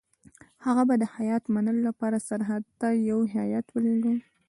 هغه به د هیات منلو لپاره سرحد ته یو هیات ولېږي.